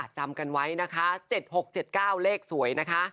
จำกันไว้นะคะ๗๖๗๙เลขสวยนะคะ